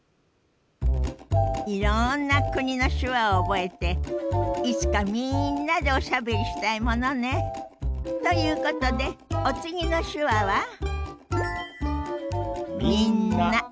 いろんな国の手話を覚えていつかみんなでおしゃべりしたいものね。ということでお次の手話は？